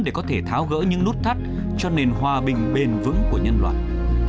để có thể tháo gỡ những nút thắt cho nền hòa bình bền vững của nhân loại